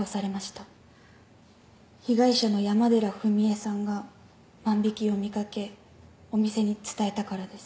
被害者の山寺史絵さんが万引を見掛けお店に伝えたからです。